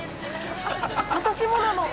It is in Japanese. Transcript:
◆私もなの。